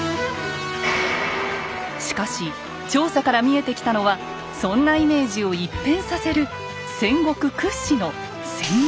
しかし調査から見えてきたのはそんなイメージを一変させる戦国屈指の戦略